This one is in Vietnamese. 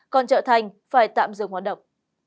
còn chợ thành phải tạm dừng hoạt động